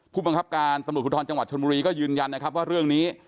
ผู้บังคับการตำรวจภูทรจังหวัดชนบุรีก็ยืนยันนะครับว่าเรื่องนี้